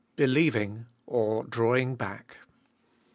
BELIEVING OR DRAWING BACK.